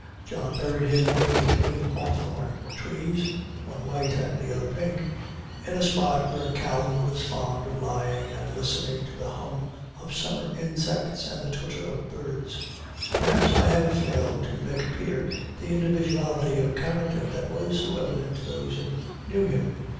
John buried him under the twin hawthorn trees, one white and the other pink, in a spot where Calvin was fond of lying and listening to the hum of summer insects and the twitter of birds. Perhaps I have failed to make appear the individuality of character that was so evident to those who knew him.